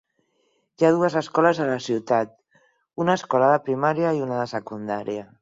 Hi ha dues escoles a la ciutat, una escola de primària i una de secundària.